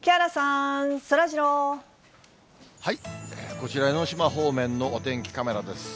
こちら江の島方面のお天気カメラです。